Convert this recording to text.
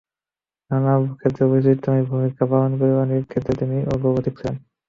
নানা ক্ষেত্রে বৈচিত্র্যময় ভূমিকা পালন করে অনেক ক্ষেত্রে তিনি অগ্রপথিক ছিলেন।